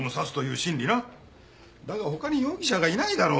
だが他に容疑者がいないだろう？